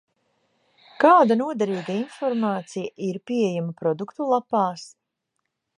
Kāda noderīga informācija ir pieejama produktu lapās?